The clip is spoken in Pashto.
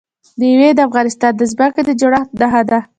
مېوې د افغانستان د ځمکې د جوړښت نښه ده.